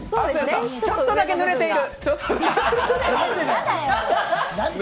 ちょっとだけ濡れている？